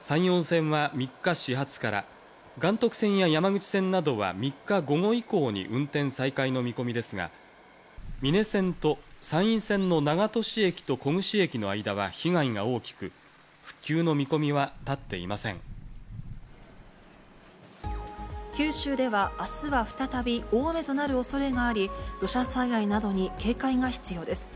山陽線は３日始発から、岩徳線や山口線などは３日午後以降に運転再開の見込みですが、美祢線と山陰線の長門市駅と小串駅の間は被害が大きく、復旧の見九州では、あすは再び大雨となるおそれがあり、土砂災害などに警戒が必要です。